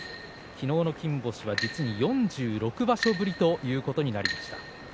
昨日の金星は実に４６場所ぶりということになりました。